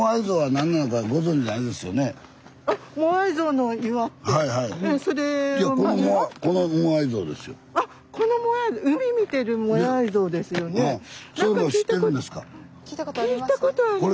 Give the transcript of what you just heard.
何か聞いたことあります。